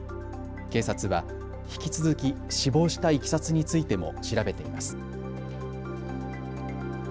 警察は引き続き死亡したいきさつについても調べています。